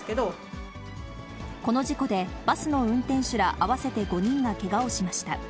この事故で、バスの運転手ら合わせて５人がけがをしました。